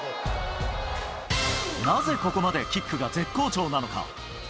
なぜここまでキックが絶好調なのか。